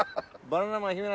バナナマン日村